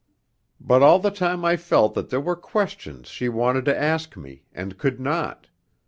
But all the time I felt that there were questions she wanted to ask me, and could not.